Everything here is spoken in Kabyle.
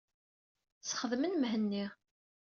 Sxedmen Mhenni.